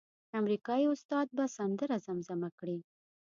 امریکایي استاد به سندره زمزمه کړي.